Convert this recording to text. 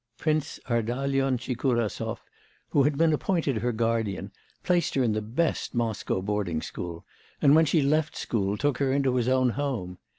Prince Ardalion Tchikurasov, who had been appointed her guardian, placed her in the best Moscow boarding school, and when she left school, took her into his own home.